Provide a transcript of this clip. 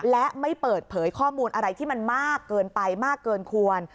และไม่เปิดเผยข้อมูลอะไรที่มันมากเกินไปมากเกินควร